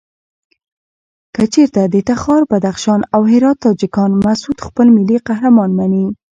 کچېرته د تخار، بدخشان او هرات تاجکان مسعود خپل ملي قهرمان مني.